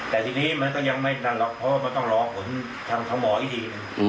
แต่ทีนี้มันก็ยังไม่นานหรอกเพราะว่าต้องรอผลทางหมอกี๊ดี